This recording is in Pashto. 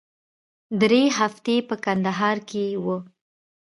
درې هفتې په کندهار کښې وو.